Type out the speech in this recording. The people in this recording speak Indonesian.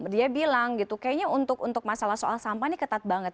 dia bilang gitu kayaknya untuk masalah soal sampah ini ketat banget